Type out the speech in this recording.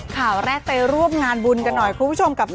ข่าวแรกไปร่วมงานบุญกันหน่อยคุณผู้ชมกับ